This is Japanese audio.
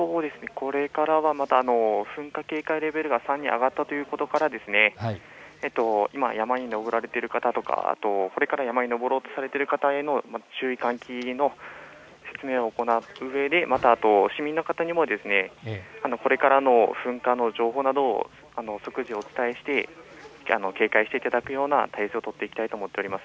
これからは噴火警戒レベルが３に上がったということから今、山に登られている方とかこれから山に登ろうとされている方への注意喚起、説明を行ったうえで市民の方にもこれからの噴火の情報などを即時お伝えして警戒していただくような対応を取っていきたいと思っています。